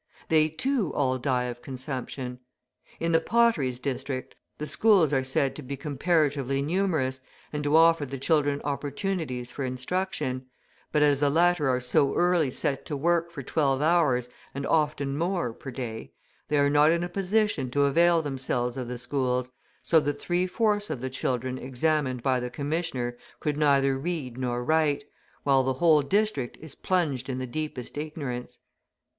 They, too, all die of consumption. In the Potteries district, the schools are said to be comparatively numerous, and to offer the children opportunities for instruction; but as the latter are so early set to work for twelve hours and often more per day, they are not in a position to avail themselves of the schools, so that three fourths of the children examined by the commissioner could neither read nor write, while the whole district is plunged in the deepest ignorance.